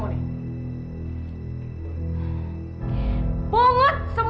udah pulang ya ampun